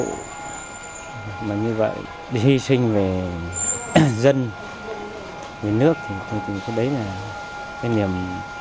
nhưng mà như vậy đi sinh về dân về nước tôi tưởng cái đấy là cái niềm